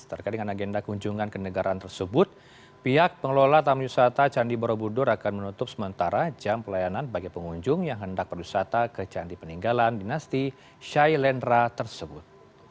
terkait dengan agenda kunjungan ke negaraan tersebut pihak pengelola taman wisata candi borobudur akan menutup sementara jam pelayanan bagi pengunjung yang hendak berdusata ke candi peninggalan dinasti shailendra tersebut